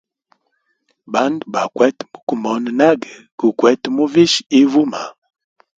Bandu, bakwete mukumona nage gukwete muvisha ivuma.